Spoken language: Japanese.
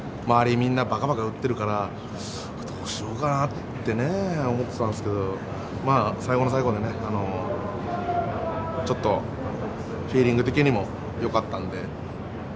みんなばかばか打ってるからどうしようかなって思ってたんですけど最後の最後で、ちょっとフィーリング的にも良かったので。